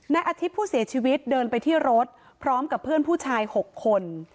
อาทิตย์ผู้เสียชีวิตเดินไปที่รถพร้อมกับเพื่อนผู้ชาย๖คน